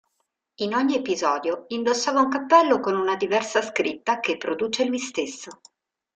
In ogni episodio indossava un cappello con una diversa scritta, che produce lui stesso.